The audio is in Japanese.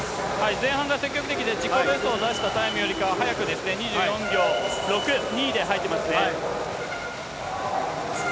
前半が積極的で自己ベストを出したタイムよりかは速く２４秒６２で入ってますね。